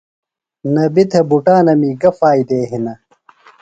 نبی تھےۡ بُٹانَمی گہ فائدے ہِنہ ؟